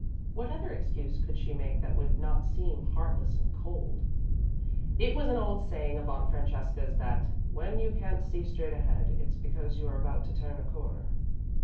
What other excuse could she make that would not seem heartless and cold? It was an old saying of Aunt Francesca's that "when you can't see straight ahead, it's because you're about to turn a corner."